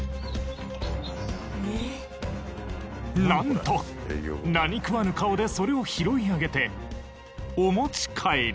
なんと何食わぬ顔でそれを拾い上げてお持ち帰り。